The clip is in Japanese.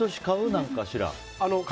何かしら。